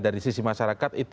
dari sisi masyarakat